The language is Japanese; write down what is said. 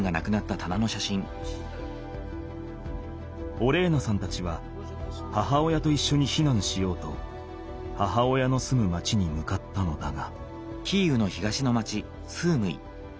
オレーナさんたちは母親といっしょに避難しようと母親の住む町に向かったのだが。